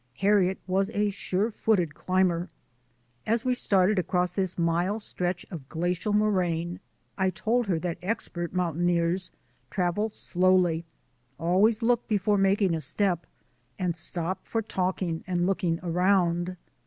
Harriet was a sure footed climber. As we started across this mile stretch of glacial moraine I told her that expert mountaineers travel slowly, always look before making a step, and stop for talking or looking around.